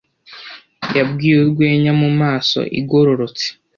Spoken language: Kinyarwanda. Yabwiye urwenya mumaso igororotse.